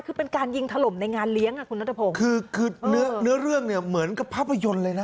คือเป็นการยิงถล่มในงานเลี้ยงอ่ะคุณนัทพงศ์คือคือเนื้อเนื้อเรื่องเนี่ยเหมือนกับภาพยนตร์เลยนะ